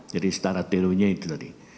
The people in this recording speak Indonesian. jadi setara terunya itu tadi